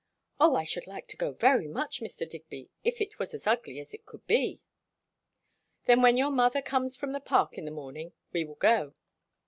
"Oh I should like to go very much, Mr. Digby, if it was as ugly as it could be!" "Then when your mother comes from the Park in the morning, we will go."